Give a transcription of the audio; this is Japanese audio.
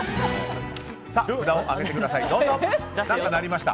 さあ、札を上げてください。